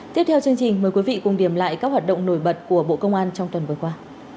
tiếp theo chương trình mời quý vị cùng điểm lại các hoạt động nổi bật của bộ công an trong tuần vừa qua